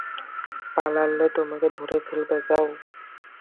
পালালেও আমাকে ধরে ফেলবে, যাও।